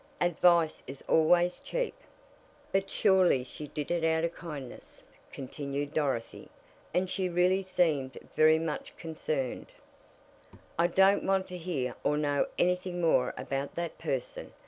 "Advice is always cheap!" "But she surely did it out of kindness," continued Dorothy, "and she really seemed very much concerned." "I don't want to hear or know anything more about that person.